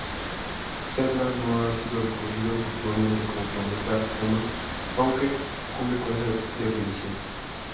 Sedna no ha sido reconocido formalmente como planeta enano aunque cumple con esa definición.